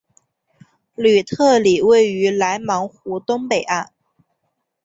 吕特里位于莱芒湖东北岸。